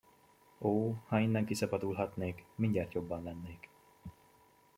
Ó, ha innen kiszabadulhatnék, mindjárt jobban lennék!